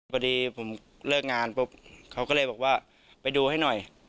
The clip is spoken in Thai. พอดีผมเลิกงานปุ๊บเขาก็เลยบอกว่าไปดูให้หน่อย